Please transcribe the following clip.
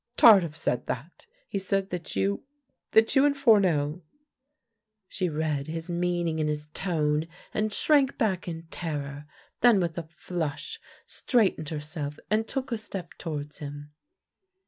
" Tardif said that. He said that you — that you and Foumel " She read his meaning in his tone and shrank back in terror, then, with a flush, straightened herself, and took a step towards him.